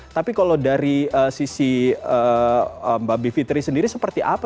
tapi kalau dari sisi mbak bivitri sendiri seperti apa